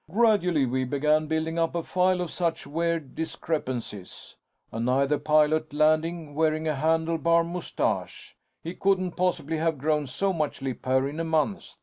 "Gradually, we began building up a file of such weird discrepancies. Another pilot landed wearing a handle bar mustache. He couldn't possibly have grown so much lip hair in a month.